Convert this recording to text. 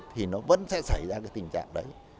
thì nó vẫn sẽ xảy ra cái tình trạng đấy